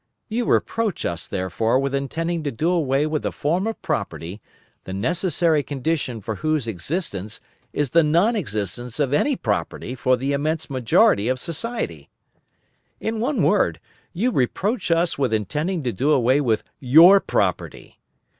You reproach us, therefore, with intending to do away with a form of property, the necessary condition for whose existence is the non existence of any property for the immense majority of society. In one word, you reproach us with intending to do away with your property.